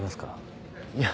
いや。